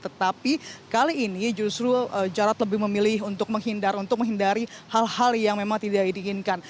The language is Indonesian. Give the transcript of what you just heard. tetapi kali ini justru jarod lebih memilih untuk menghindar untuk menghindari hal hal yang memang tidak diinginkan